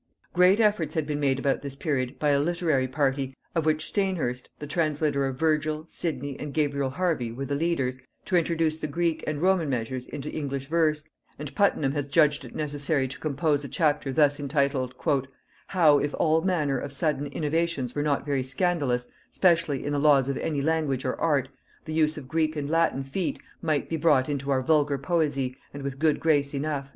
Great efforts had been made about this period by a literary party, of which Stainhurst the translator of Virgil, Sidney and Gabriel Hervey were the leaders, to introduce the Greek and Roman measures into English verse, and Puttenham has judged it necessary to compose a chapter thus intituled: "How, if all manner of sudden innovations were not very scandalous, specially in the laws of any language or art, the use of Greek and Latin feet might be brought into our vulgar poesy, and with good grace enough."